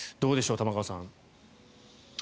玉川さん。